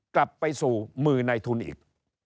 กลับไปสู่มือในทุนอีก